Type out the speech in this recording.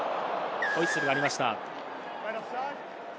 ホイッスルがありました。